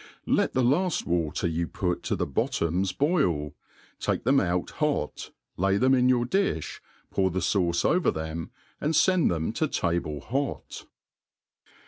Let the laft water you i>ur.to the bottoms boil 5 take them out hot, lay them in your ^iih^ pou| the fauce over them, and fend them to table hot.